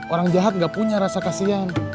orang jahat gak punya rasa kasihan